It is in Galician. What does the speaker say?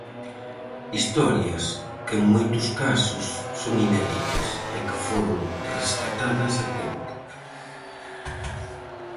Historias que en moitos casos son inéditas, e que foron rescatadas a tempo.